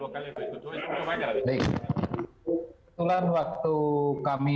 kebetulan waktu kami